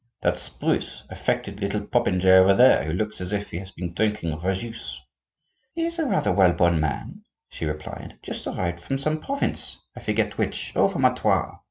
"That spruce, affected little popinjay over there, who looks as if he had been drinking verjuice." "He is a rather well born man," she replied; "just arrived from some province, I forget which—oh! from Artois.